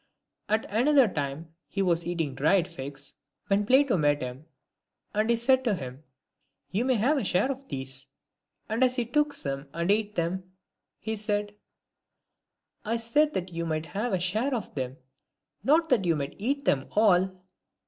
At another time he was eating dried figs, when Plato met him, and he said to him, " You may have a share of these ;" and as he took some and ate them, he said, " I said that you might have a share of them, not that you might eat them all."